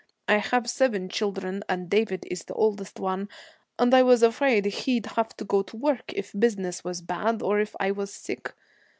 I have seven children, and David is the oldest one, and I was afraid he'd have to go to work, if business was bad, or if I was sick.